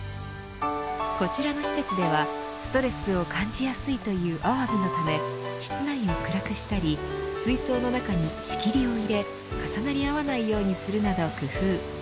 こちらの施設ではストレスを感じやすいというアワビのため室内を暗くしたり水槽の中に仕切りを入れ重なり合わないようにするなど工夫。